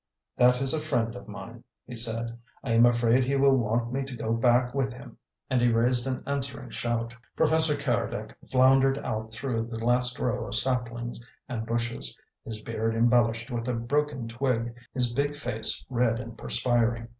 "That is a friend of mine," he said. "I am afraid he will want me to go back with him." And he raised an answering shout. Professor Keredec floundered out through the last row of saplings and bushes, his beard embellished with a broken twig, his big face red and perspiring.